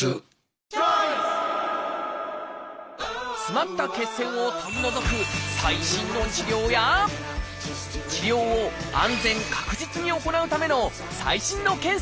詰まった血栓を取り除く最新の治療や治療を安全確実に行うための最新の検査も登場！